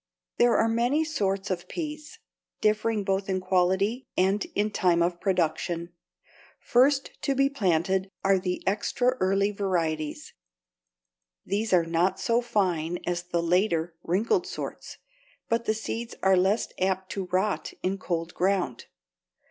There are many sorts of peas, differing both in quality and in time of production. The first to be planted are the extra early varieties. These are not so fine as the later, wrinkled sorts, but the seeds are less apt to rot in cold ground.